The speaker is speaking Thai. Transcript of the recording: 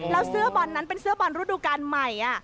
แล้วเสื้อบอลนั้นเป็นเสื้อบอลฤดูการใหม่